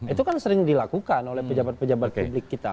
ini harus dilakukan oleh pejabat pejabat publik kita